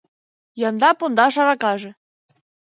Янда пундаш аракаже